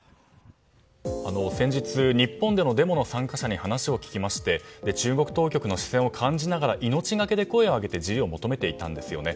先日、日本でのデモの参加者に話を聞きまして中国当局の視線を感じながら命がけで声を上げて自由を求めていたんですよね。